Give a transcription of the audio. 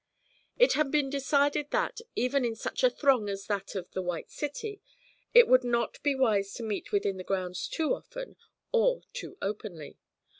It had been decided that, even in such a throng as that of the White City, it would not be wise to meet within the grounds too often, or too openly.